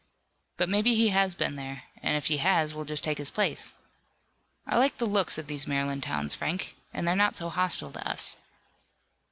"But maybe he has been there, and if he has we'll just take his place. I like the looks of these Maryland towns, Frank, and they're not so hostile to us."